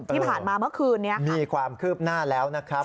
ที่ผ่านมาเมื่อคืนนี้มีความคืบหน้าแล้วนะครับ